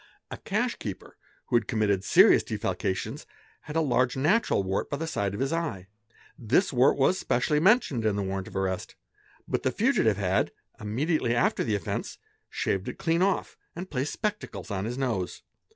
A cash keeper, who had committed serious defalcations, had a large natural wart by the side of his eye. This wart was specially mentioned in the warrant of arrest ; but the fugitive had, immediately after the offence, shaved it clean off and placed spectacles on his nose.